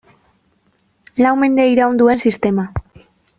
Lau mende iraun duen sistema.